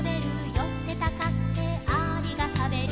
「寄ってたかってアリが食べる」